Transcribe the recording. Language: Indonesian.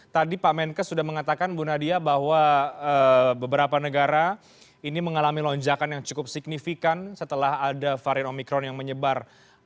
tadi pak menkes sudah mengatakan bu nadia bahwa beberapa negara ini mengalami lonjakan yang cukup signifikan setelah ada varian omikron yang menyebar